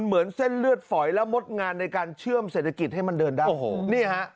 เหมือนเส้นเลือดฝอยและงดงานในการเชื่อมเศรษฐกิจให้มันเดินได้โอ้โหนี่ฮะ